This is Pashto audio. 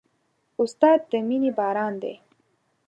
استاد د مینې باران دی.